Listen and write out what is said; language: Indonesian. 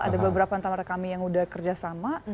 ada beberapa antara kami yang udah kerja sama